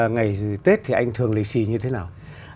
ngày tết thì anh thường lì xì như thế nào